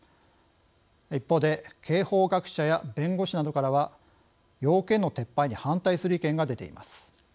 一方で刑法学者や弁護士などからは要件の撤廃に反対する意見が出ています。